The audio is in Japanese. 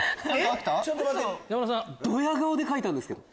山田さん。ドヤ顔で書いたんですけど。